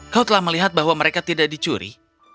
kau telah melihat bahwa mereka tidak dicuri